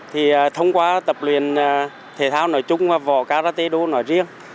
thì thông qua tập luyện thể thao nói chung và võ karatedo nói riêng